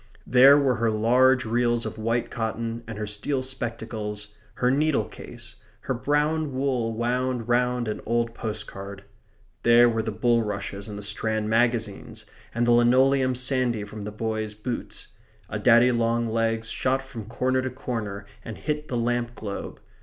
There were her large reels of white cotton and her steel spectacles; her needle case; her brown wool wound round an old postcard. There were the bulrushes and the Strand magazines; and the linoleum sandy from the boys' boots. A daddy long legs shot from corner to corner and hit the lamp globe.